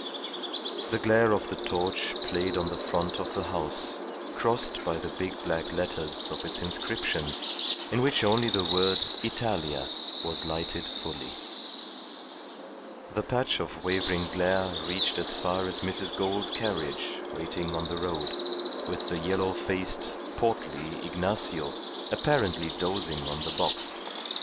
The glare of the torch played on the front of the house crossed by the big black letters of its inscription in which only the word Italia was lighted fully. The patch of wavering glare reached as far as Mrs. Gould's carriage waiting on the road, with the yellow faced, portly Ignacio apparently dozing on the box.